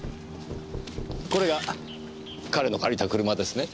これが彼の借りた車ですね？